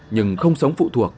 nhưng không sống phụ thuộc